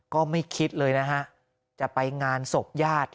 ก็ไม่คิดเลยนะฮะจะไปงานศพญาติ